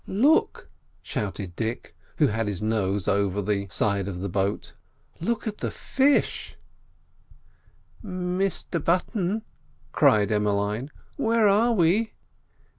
"Look!" shouted Dick, who had his nose over the gunwale of the boat. "Look at the fish!" "Mr Button," cried Emmeline, "where are we?"